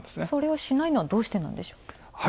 それをしないのはどうしてなんでしょう？